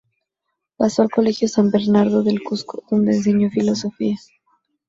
Pasó al Colegio San Bernardo del Cuzco, donde enseñó filosofía.